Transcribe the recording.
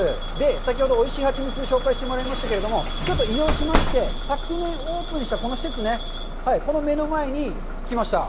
先ほどおいしいハチミツ、紹介してもらいましたけれども、ちょっと移動しまして、昨年オープンしたこの施設、この目の前に来ました。